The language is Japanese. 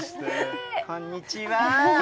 こんにちは。